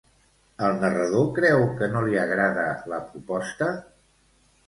El narrador creu que no li agrada la proposta?